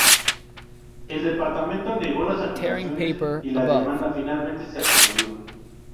El departamento negó las acusaciones y la demanda finalmente se resolvió.